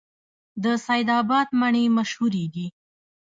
د سید اباد مڼې مشهورې دي